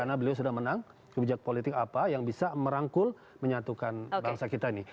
karena beliau sudah menang kebijak politik apa yang bisa merangkul menyatukan bangsa kita ini